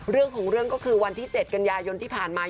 เรื่องของเรื่องก็คือวันที่๗กันยายนที่ผ่านมา